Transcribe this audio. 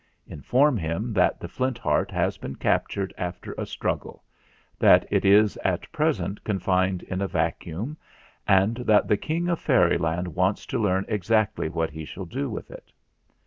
Inform him that the Flint Heart has been captured after a struggle; that it is at present confined in a vacuum, and that the King of Fairyland wants to learn exactly what he shall do with it."